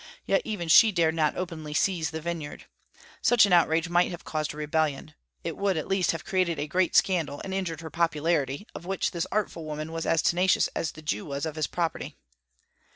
Yet even she dared not openly seize the vineyard. Such an outrage might have caused a rebellion; it would, at least, have created a great scandal and injured her popularity, of which this artful woman was as tenacious as the Jew was of his property.